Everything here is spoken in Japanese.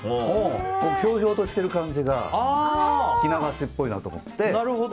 ひょうひょうとしてる感じが着流しっぽいなと思って。